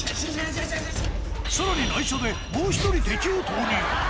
さらにないしょでもう１人敵を投入。